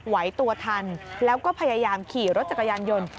ไหวตัวทันแล้วก็พยายามขี่รถจักรยานยนต์